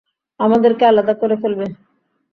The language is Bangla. আমাদেরকে আলাদা করে ফেলবে!